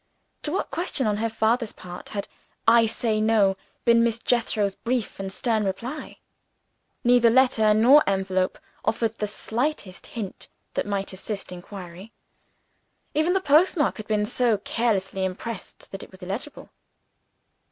To what question, on her father's part, had "I say No" been Miss Jethro's brief and stern reply? Neither letter nor envelope offered the slightest hint that might assist inquiry; even the postmark had been so carelessly impressed that it was illegible.